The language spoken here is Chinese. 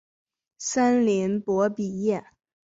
森林博比耶。